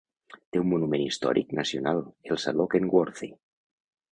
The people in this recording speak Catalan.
Té un monument històric nacional, el saló Kenworthy.